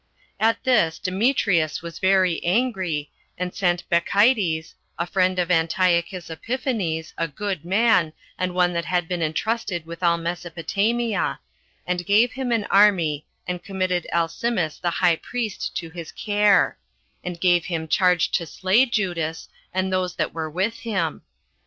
2. At this Demetrius was very angry, and sent Bacchides, a friend of Antiochus Epiphanes, 25 a good man, and one that had been intrusted with all Mesopotamia, and gave him an army, and committed Alcimus the high priest to his care; and gave him charge to slay Judas, and those that were with him.